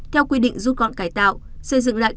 theo quy định rút gọn cải tạo xây dựng lại